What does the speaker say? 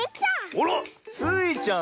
あら⁉スイちゃん